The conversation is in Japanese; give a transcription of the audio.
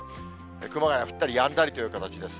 熊谷、降ったりやんだりという形です。